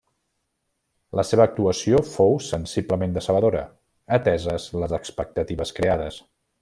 La seva actuació fou sensiblement decebedora, ateses les expectatives creades.